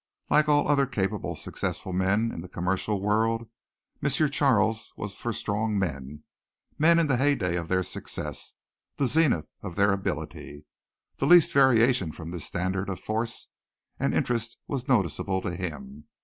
Like all other capable, successful men in the commercial world M. Charles was for strong men men in the heyday of their success, the zenith of their ability. The least variation from this standard of force and interest was noticeable to him.